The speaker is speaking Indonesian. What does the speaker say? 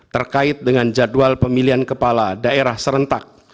terkait dengan jadwal pemilihan kepala daerah serentak